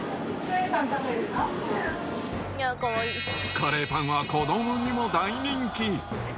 カレーパンは子どもにも大人気。